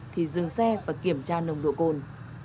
thì dừng xe và kiểm tra nồng độ cồn